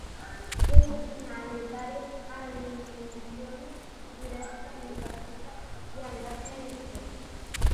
Semifinali: gare a eliminazione diretta in partita di andata e ritorno.